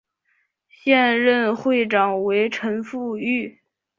现任会长为陈福裕。